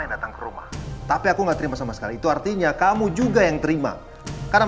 yang datang ke rumah tapi aku nggak terima sama sekali itu artinya kamu juga yang terima karena